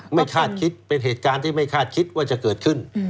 คาดคิดเป็นเหตุการณ์ที่ไม่คาดคิดว่าจะเกิดขึ้น